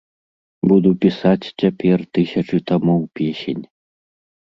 Буду пісаць цяпер тысячы тамоў песень.